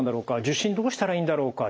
受診どうしたらいいんだろうか。